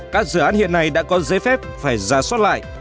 các dự án hiện nay đã có giấy phép phải ra soát lại